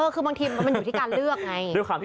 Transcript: คือบางทีมันอยู่ที่การเลือกไง